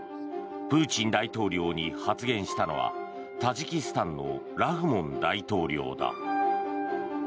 プーチン大統領に発言したのはタジキスタンのラフモン大統領だ。